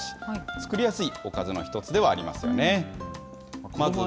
作りやすいおかずの一つではありますよね。